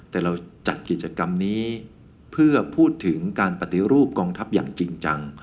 แต่เราจัดกิจกรรมนี้เพื่อพูดถึงการปฏิรูปกองทัพอย่างจริงจัง